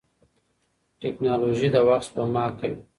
ټیکنالوژي د وخت سپما کوي.